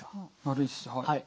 はい。